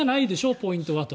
ポイントはと。